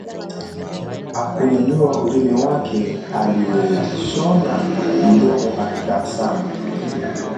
hakunyanyua ulimi wake aliushona mdomo akitabsamu